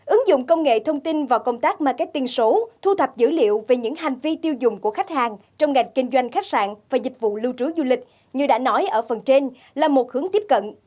ứng dụng công nghệ thông tin và công tác marketing số thu thập dữ liệu về những hành vi tiêu dùng của khách hàng trong ngành kinh doanh khách sạn và dịch vụ lưu trú du lịch như đã nói ở phần trên là một hướng tiếp cận